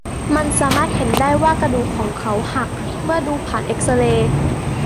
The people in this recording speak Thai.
มันสามารถเห็นได้ง่ายว่ากระดูกของเขาหักเมื่อดูผ่านเอ็กซเรย์